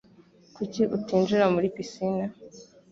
Kuki utinjira muri pisine?